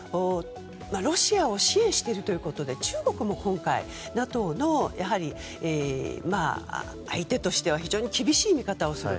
ロシアを支援しているということで中国も今回ＮＡＴＯの相手としては非常に厳しい見方をする。